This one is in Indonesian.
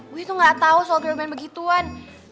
gue tuh gak tau soal girlband begituan